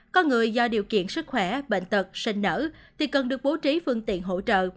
có người do điều kiện sức khỏe bệnh tật sinh nở thì cần được bố trí phương tiện hỗ trợ